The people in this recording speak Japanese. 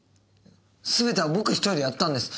すべては僕１人でやったんです。